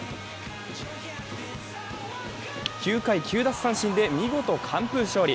９回９奪三振で、見事、完封勝利。